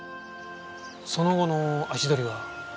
その後の足取りは？